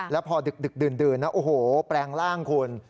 แล้วพอดึกดื่นนะโอ้โหแปลงร่างคุณ